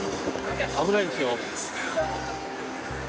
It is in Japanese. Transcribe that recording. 危ないですよ。